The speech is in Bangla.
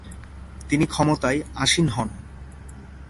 তিনি ক্ষমতায় আসীন হন।